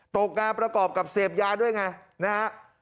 ตกงานประกอบกับเสพยาด้วยไงนะฮะ